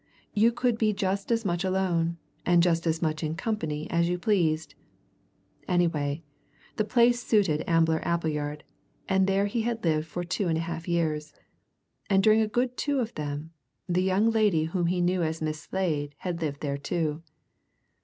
You could be just as much alone, and just as much in company as you pleased anyway, the place suited Ambler Appleyard, and there he had lived for two and a half years. And during a good two of them, the young lady whom he knew as Miss Slade had lived there too.